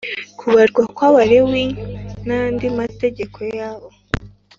Kubarwa kw abalewi n andi mategeko yabo